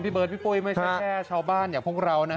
เบิร์ดพี่ปุ้ยไม่ใช่แค่ชาวบ้านอย่างพวกเรานะ